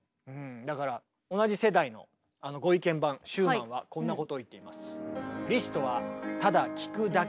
だから同じ世代のあのご意見番シューマンはこんなことを言っています。